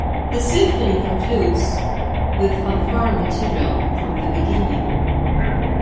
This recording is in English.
The symphony concludes with fanfare material from the beginning.